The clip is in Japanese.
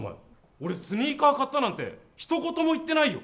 で、スニーカー買ったなんて一言も言ってないよ。